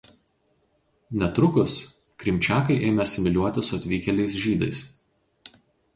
Netrukus krymčiakai ėmė asimiliuotis su atvykėliais žydais.